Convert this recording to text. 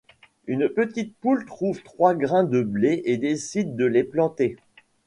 Une petite poule trouve trois grains de blé et décide de les planter.